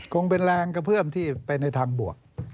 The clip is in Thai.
คงเป็นแรงกระเพื่อมที่ไปในทางบวก